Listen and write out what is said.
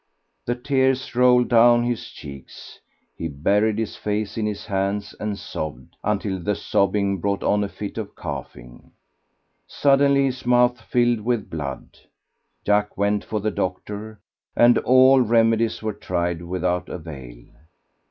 The tears rolled down his cheeks; he buried his face in his hands and sobbed, until the sobbing brought on a fit of coughing. Suddenly his mouth filled with blood. Jack went for the doctor, and all remedies were tried without avail.